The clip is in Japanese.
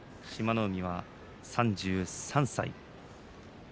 海は３３歳。